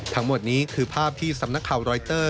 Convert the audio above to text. ทั้งหมดนี้คือภาพที่สำนักข่าวรอยเตอร์